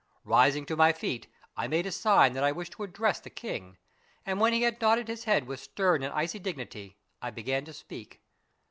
Rising to my feet, I made a sign that I wished to address the king, and when he had nodded his head with stern and icy dignity, I began to speak.